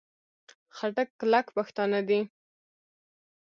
خټک کلک پښتانه دي.